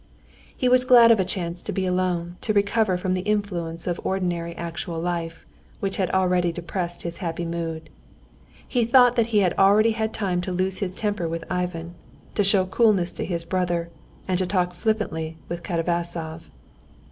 He was glad of a chance to be alone to recover from the influence of ordinary actual life, which had already depressed his happy mood. He thought that he had already had time to lose his temper with Ivan, to show coolness to his brother, and to talk flippantly with Katavasov.